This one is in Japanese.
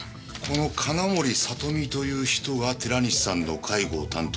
この金森里美という人が寺西さんの介護を担当していたんですね？